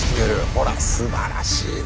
ほらすばらしいね。